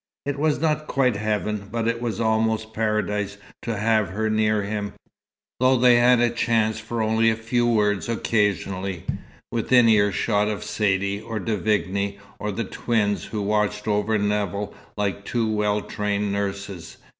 It was not quite heaven, but it was almost paradise to have her near him, though they had a chance for only a few words occasionally, within earshot of Saidee, or De Vigne, or the twins, who watched over Nevill like two well trained nurses.